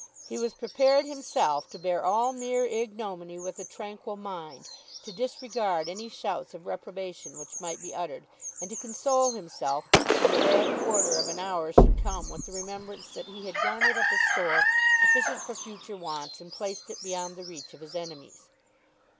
He was prepared himself to bear all mere ignominy with a tranquil mind, to disregard any shouts of reprobation which might be uttered, and to console himself when the bad quarter of an hour should come with the remembrance that he had garnered up a store sufficient for future wants and placed it beyond the reach of his enemies.